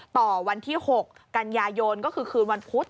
ต่อวันที่๖กันยายนก็คือคืนวันพุธ